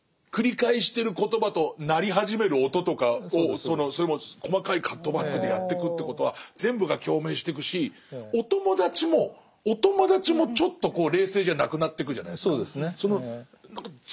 繰り返してる言葉と鳴り始める音とかをそれも細かいカットバックでやってくということは全部が共鳴してくしお友達もお友達もちょっと冷静じゃなくなってくじゃないですか。